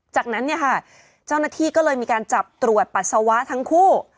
จากนั้นเนี่ยค่ะเจ้าหน้าที่ก็เลยมีการจับตรวจปัสสาวะทั้งคู่